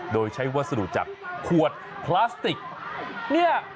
โดยใช้วัสดุจากขวดพลาสติกเนี่ย